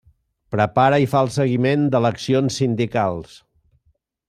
Prepara i fa el seguiment d'eleccions sindicals.